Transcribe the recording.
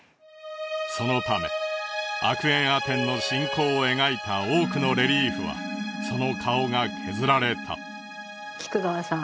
そのためアクエンアテンの信仰を描いた多くのレリーフはその顔が削られた菊川さん